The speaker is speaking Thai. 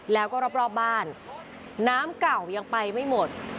แล้วก็รอบบ้านน้ำเก่ายังไปไม่หมด